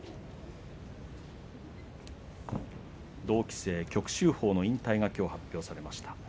同期生の旭秀鵬の引退がきょう発表されました。